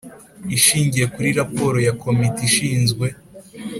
ishingiye kuri raporo ya Komite ishinzwe